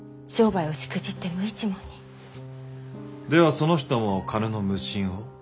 その人も金の無心を？